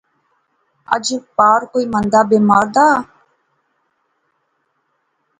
اج پار کوئی مندا بیمار دا